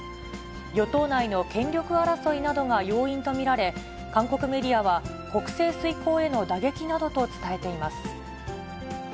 与党内の権力争いなどが要因と見られ、韓国メディアは、国政遂行への打撃などと伝えています。